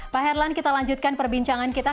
pak herlan kita lanjutkan perbincangan kita